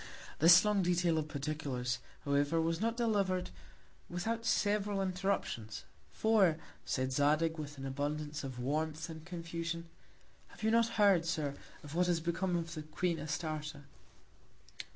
This long Detail of Particulars, however, was not deliver'd without several Interruptions; for, said Zadig, with Abundance of Warmth and Confusion, Have you never heard, Sir, of what is become of the Queen Astarte?